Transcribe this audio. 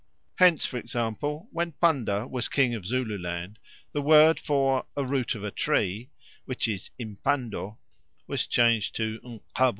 Hence, for example, when Panda was king of Zululand, the word for "a root of a tree," which is impando, was changed to _nxabo.